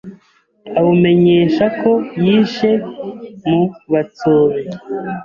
awumenyesha ko yishe mu Batsobe